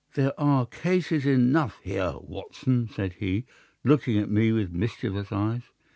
"There are cases enough here, Watson," said he, looking at me with mischievous eyes.